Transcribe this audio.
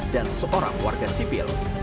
dan seorang warga sipil